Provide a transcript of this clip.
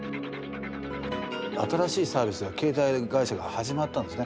新しいサービスが携帯会社が始まったんですね。